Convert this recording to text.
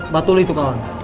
batu lu itu kawan